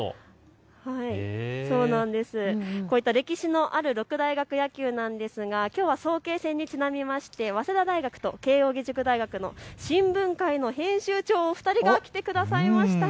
こういった歴史のある六大学野球なんですがきょうは早慶戦にちなみまして早稲田大学と慶應義塾大学の新聞会の編集長２人が来てくれました。